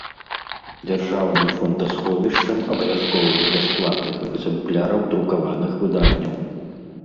Дзяржаўным фондасховiшчам абавязковых бясплатных экзэмпляраў друкаваных выданняў.